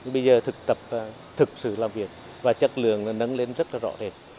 bây giờ thực tập thực sự làm việc và chất lượng nâng lên rất rõ ràng